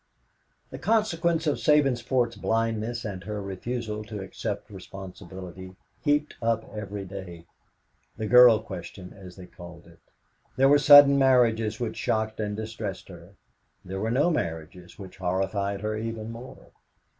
The consequence of Sabinsport's blindness and her refusal to accept responsibility heaped up every day the girl question, as they called it. There were sudden marriages which shocked and distressed her. There were no marriages, that horrified her even more.